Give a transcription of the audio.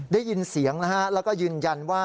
ได้ยินเสียงนะฮะแล้วก็ยืนยันว่า